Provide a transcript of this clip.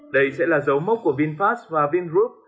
đây sẽ là dấu mốc của vinfast và vingroup